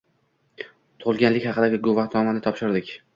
Tugʻilganlik haqidagi guvohnomani topshirdik